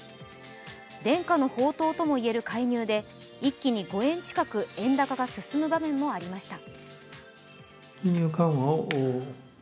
伝家の宝刀ともいえる介入で一気に５円近く円高が進む場面もありました。